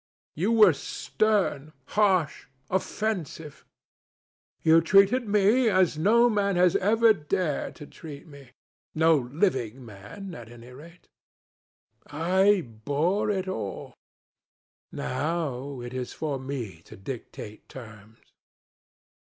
You were stern, harsh, offensive. You treated me as no man has ever dared to treat me—no living man, at any rate. I bore it all. Now it is for me to dictate terms."